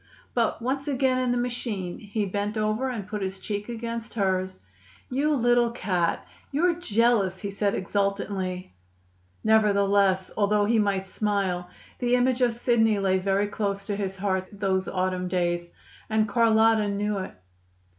But, once again in the machine, he bent over and put his cheek against hers. "You little cat! You're jealous," he said exultantly. Nevertheless, although he might smile, the image of Sidney lay very close to his heart those autumn days. And Carlotta knew it.